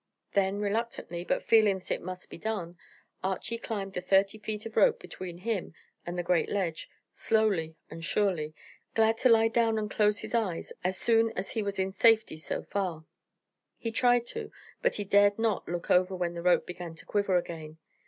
Then reluctantly, but feeling that it must be done, Archy climbed the thirty feet of rope between him and the great ledge, slowly and surely, glad to lie down and close his eyes as soon as he was in safety so far. He tried to, but he dared not look over when the rope began to quiver again.